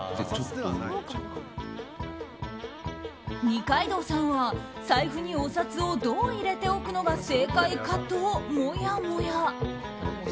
二階堂さんは、財布にお札をどう入れておくのが正解かともやもや。